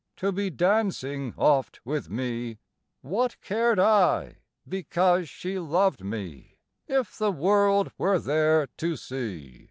To be dancing oft with me ; (What cared I, because she loved me, If the world were there to see?)